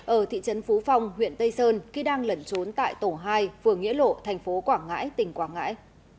ở thị trấn phú phong huyện tây sơn khi đang lẩn trốn tại tổ hai phường nghĩa lộ thành phố quảng ngãi tỉnh quảng ngãi